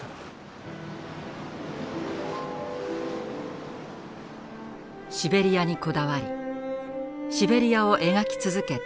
シベリアにこだわりシベリアを描き続けた香月泰男。